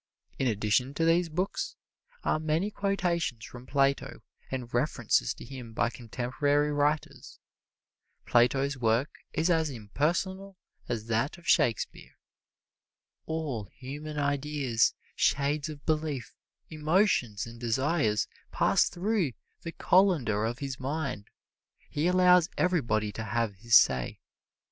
In addition to these books are many quotations from Plato and references to him by contemporary writers. Plato's work is as impersonal as that of Shakespeare. All human ideas, shades of belief, emotions and desires pass through the colander of his mind. He allows everybody to have his say.